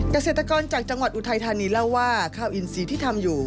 เกษตรกรจากจังหวัดอุทัยธานีเล่าว่าข้าวอินซีที่ทำอยู่